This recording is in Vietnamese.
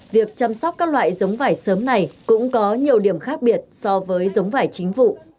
việc chăm sóc các loại giống vải sớm này cũng có nhiều điểm khác biệt so với giống vải chính vụ